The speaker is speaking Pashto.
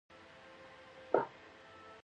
اسلام لارښوونه کوي